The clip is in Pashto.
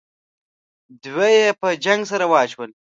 دوه یې په جنگ سره اچول.